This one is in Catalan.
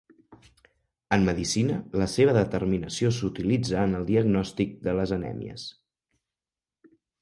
En medicina, la seva determinació s'utilitza en el diagnòstic de les anèmies.